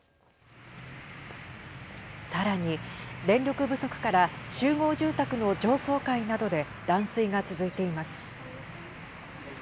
さらに、電力不足から集合住宅の上層階などで断水が続いています。